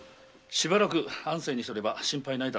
しばらく安静にすれば心配ない。